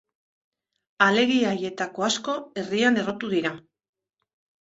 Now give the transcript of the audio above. Alegia haietako asko herrian errotu dira.